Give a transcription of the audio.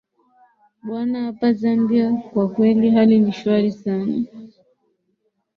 bwana hapa zambia kwa kweli hali ni shwari sana